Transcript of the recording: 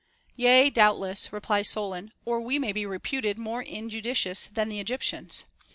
Yea, doubtless, replies Solon, or we may be reputed more injudicious than the Egyptians.